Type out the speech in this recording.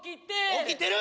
起きてる！